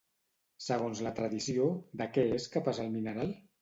Segons la tradició, de què és capaç el mineral?